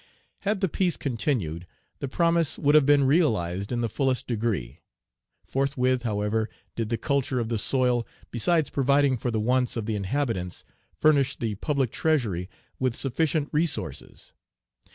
Had the peace continued, the promise would have been realized in the fullest degree. Forthwith, however, did the culture of the soil, besides providing for the wants of the inhabitants, furnish the public treasury with sufficient resources.